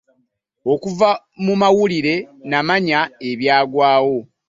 Okuva mu mawulire nnamanya ebyagwawo.